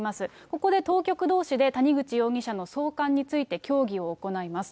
ここで当局どうしで谷口容疑者の送還について協議を行います。